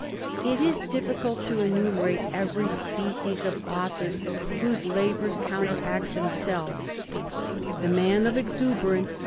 It is difficult to enumerate every species of authors whose labours counteract themselves] the man of exuberance THE IDLER.